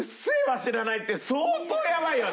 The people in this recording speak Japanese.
知らないって相当やばいよね。